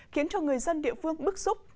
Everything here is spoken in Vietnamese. khiến cho người dân địa phương bức xúc